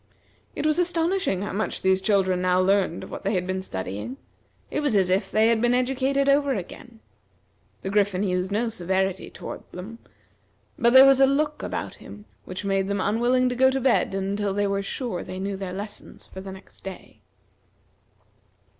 It was astonishing how much these children now learned of what they had been studying. It was as if they had been educated over again. The Griffin used no severity toward them, but there was a look about him which made them unwilling to go to bed until they were sure they knew their lessons for the next day.